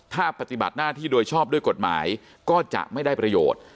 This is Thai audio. ถ้าปฏิบัติหน้าที่โดยชอบด้วยกฎหมายก็จะไม่ได้ประโยชน์